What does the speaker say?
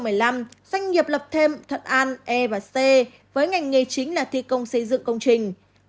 năm hai nghìn một mươi năm doanh nghiệp lập thêm thuận an e c với ngành nghề chính là thi công xây dựng công trình